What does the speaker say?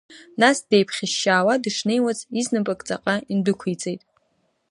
Нас деиԥхьышьшьаауа дышнеиуаз изнапык ҵаҟа индәықәиҵеит.